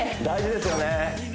大事ですよね